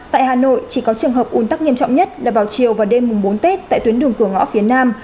tại hà nội chỉ có trường hợp un tắc nghiêm trọng nhất là vào chiều và đêm bốn tết tại tuyến đường cửa ngõ phía nam